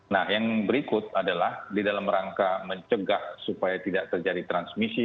nah yang berikut adalah di dalam rangka mencegah supaya tidak terjadi transmisi